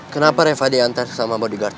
kenapa reva diantar sama bodyguard